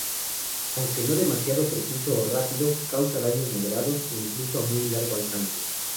Aunque no demasiado preciso, o rápido, causa daños moderados, incluso a muy largo alcance.